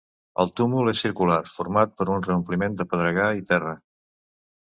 El túmul és circular, format amb un reompliment de pedregar i terra.